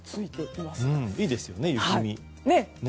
いいですよね、雪見。